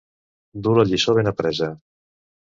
Dur la lliçó ben apresa.